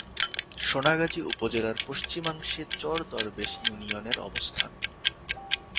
সোনাগাজী উপজেলার পশ্চিমাংশে চর দরবেশ ইউনিয়নের অবস্থান।